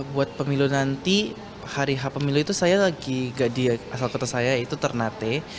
buat pemilu nanti hari hap pemilu itu saya lagi gak di asal kota saya yaitu ternate